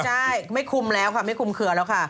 ใช่ไม่คุมแล้วค่ะไม่คุมเคลือแล้วค่ะ